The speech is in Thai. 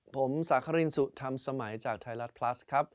ผมสาครินดร์สุต้ำสไหมจากไทยรัฐพลัสครับ